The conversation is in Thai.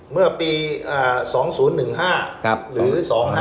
เมื่อปี๒๐๑๕หรือ๒๕๖